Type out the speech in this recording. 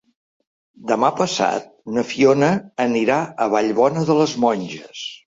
Demà passat na Fiona anirà a Vallbona de les Monges.